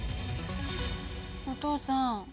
お父さん